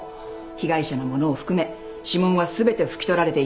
被害者のものを含め指紋は全てふき取られていた。